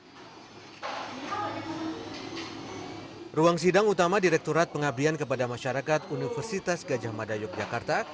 di ruang sidang utama direkturat pengabdian kepada masyarakat universitas gajah mada yogyakarta